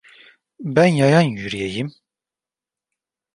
Ben yayan yürüyeyim…